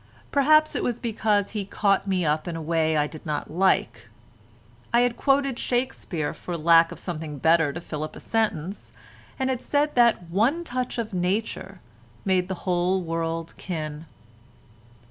Perhaps it was because he caught me up in a way I did not like. I had quoted Shakespeare for lack of something better to fill up a sentence—and had said that one touch of nature made the whole world kin.